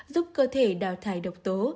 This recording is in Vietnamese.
giúp cơ thể đào thải độc tố